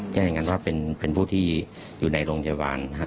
แจ้งทางกันว่าเป็นผู้ที่อยู่ในโรงเฉินวาลฯ